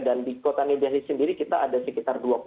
dan di kota nidja ini sendiri kita ada sekitar dua enam juta vaksin